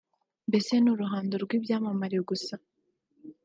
mbese ni uruhando rw’ibyamamare gusa